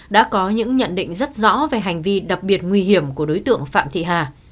đã có những nhận định rất rõ về hành vi đặc biệt nguy hiểm của đối tượng phạm thị hà